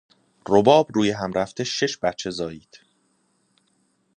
رباب رویهمرفته شش بچه زایید.